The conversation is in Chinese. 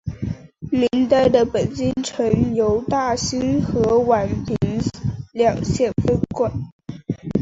明代的北京城由大兴和宛平两县分管。